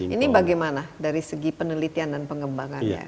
ini bagaimana dari segi penelitian dan pengembangannya